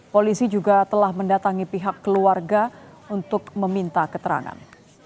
polisi juga telah mendatangi pihak keluarga untuk meminta keterangan